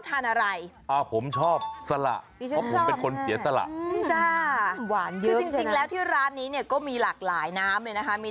อะไรคะคุณชอบทานอะไร